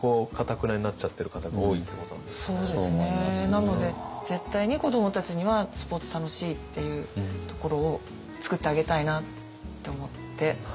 なので絶対に子どもたちにはスポーツ楽しいっていうところをつくってあげたいなって思って。